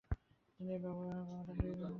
তিনি এই ব্যবধানটি সরিয়ে নিতে সফল হননি।